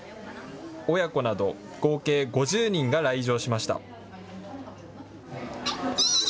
親子など合計５０人が来場しました。